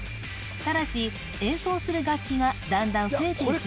ただし演奏する楽器が段々増えていきます